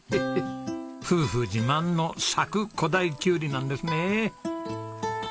夫婦自慢の佐久古太きゅうりなんですね。